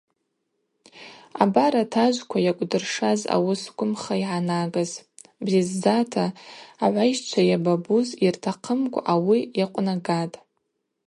Абар атажвква йакӏвдыршаз ауыс гвымха йгӏанагыз: Бзидздзата агӏвайщчва йабабуз йыртахъымкӏва ауи йакъвнагатӏ.